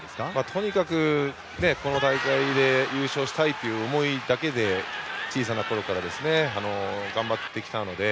とにかく、この大会で優勝したいという思いだけで小さなころから頑張ってきたので。